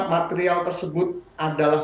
material tersebut adalah